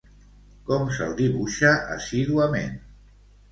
Com se'l dibuixa assíduament?